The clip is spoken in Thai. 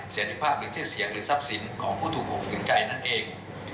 เสียดีภาพหรือที่เสียหรือทรัพย์สินของผู้ถูกห่วงถือใจนั่นเอง